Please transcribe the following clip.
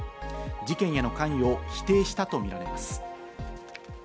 事件への関与を否定したとみられます。